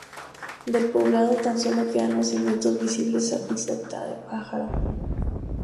Del poblado tan solo quedan los cimientos, visibles a vista de pájaro.